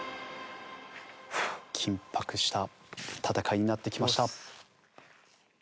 緊迫した戦いになってきました。